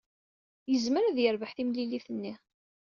Yezmer ad yerbeḥ timlilit-nni.